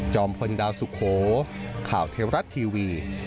จอมพลดาวสุโขข่าวเทวรัตน์ทีวี